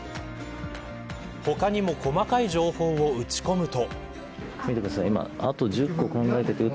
他にも細かい情報を打ち込むと。